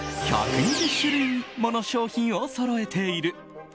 １２０種類もの商品をそろえている。